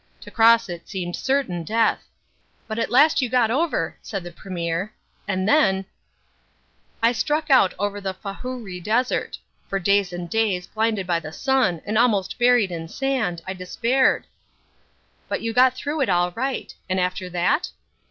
To cross it seemed certain death " "But at last you got over," said the Premier, "and then " "I struck out over the Fahuri desert. For days and days, blinded by the sun, and almost buried in sand, I despaired." "But you got through it all right. And after that?"